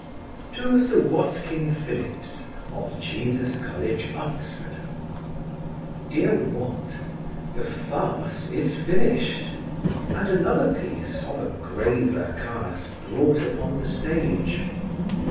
To Sir WATKIN PHILLIPS, of Jesus college, Oxon. DEAR WAT, The farce is finished, and another piece of a graver cast brought upon the stage.